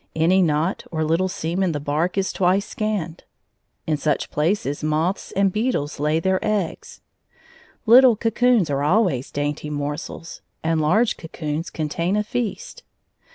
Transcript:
Any knot or little seam in the bark is twice scanned; in such places moths and beetles lay their eggs. Little cocoons are always dainty morsels, and large cocoons contain a feast.